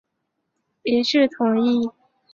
一致同意在防控新冠肺炎疫情期间